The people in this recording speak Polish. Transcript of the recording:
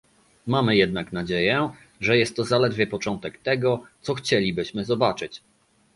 Mamy jednak nadzieję, że jest to zaledwie początek tego, co chcielibyśmy zobaczyć